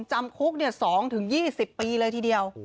จำคุก๒๒๐ปีเลยทีเดียว